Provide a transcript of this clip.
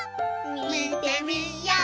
みてみよう！